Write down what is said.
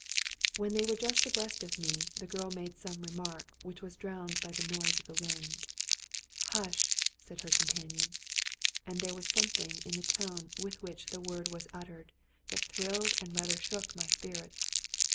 When they were just abreast of me, the girl made some remark which was drowned by the noise of the wind. " Hush I " said her companion ; and there was something in the tone with which the word was uttered that thrilled and rather shook my spirits.